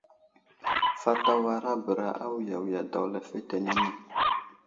Fat awara bəra awiyawiga daw lefetenene.